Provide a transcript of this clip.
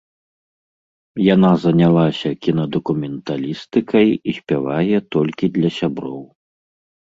Яна занялася кінадакументалістыкай і спявае толькі для сяброў.